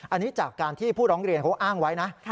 อันนี้จากการที่ผู้ร้องเรียนเขาอ้างไว้นะ